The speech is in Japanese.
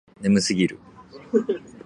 眠すぎる